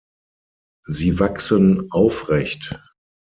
Sie wachsen aufrecht.